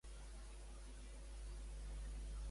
No obstant això, què és el que obtindrà per descomptat?